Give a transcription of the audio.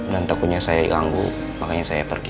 dan takutnya saya ganggu makanya saya pergi